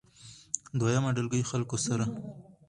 دويمه ډلګۍ خلکو سره